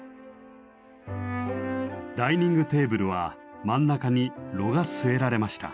ダイニングテーブルは真ん中に炉が据えられました。